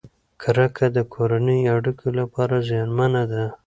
کرکه د کورنیو اړیکو لپاره زیانمنه ده.